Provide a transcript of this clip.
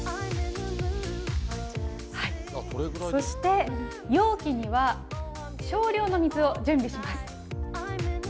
そして、容器には、少量の水を準備します。